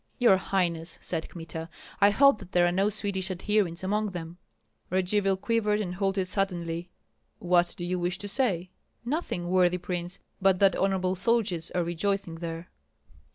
"Your highness," said Kmita, "I hope that there are no Swedish adherents among them." Radzivill quivered and halted suddenly. "What do you wish to say?" "Nothing, worthy prince, but that honorable soldiers are rejoicing there."